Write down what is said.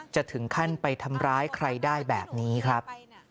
จะถึงขั้นไปทำร้ายใครได้แบบนี้ครับ